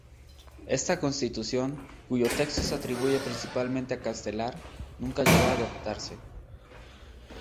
Esta constitución, cuyo texto se atribuye principalmente a Castelar, nunca llegó a adoptarse.